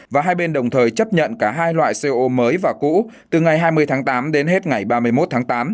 và hai bên đồng thời chấp nhận cả hai loại co mới và cũ từ ngày hai mươi tháng tám đến hết ngày ba mươi một tháng tám